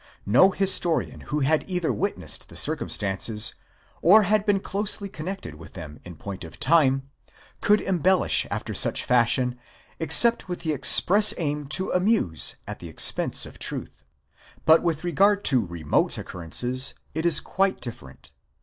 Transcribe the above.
No historian who | had either witnessed the circumstances, or had been closely connected with them in point of time, could embellish after such fashion, except with the ex press aim to amuse at the expense of truth. But with regard to remote occurrences it is quite different.